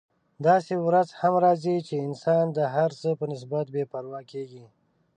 داسې ورځ هم راځي چې انسان د هر څه په نسبت بې پروا کیږي.